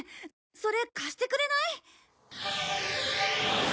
それ貸してくれない？